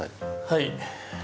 はい。